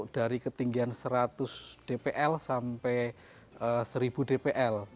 dari ketinggian seratus dpl sampai seribu dpl